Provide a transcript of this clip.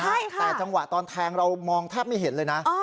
ใช่ค่ะแต่จังหวะตอนแทงเรามองแทบไม่เห็นเลยนะ